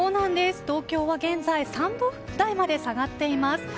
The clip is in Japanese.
東京は現在３度台まで下がっています。